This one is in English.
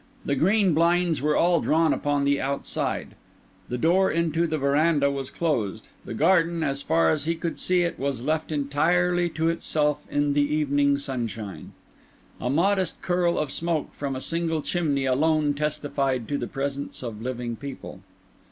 The green blinds were all drawn down upon the outside; the door into the verandah was closed; the garden, as far as he could see it, was left entirely to itself in the evening sunshine. A modest curl of smoke from a single chimney alone testified to the presence of living people.